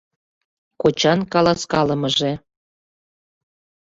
КОЧАН КАЛАСКАЛЫМЫЖЕ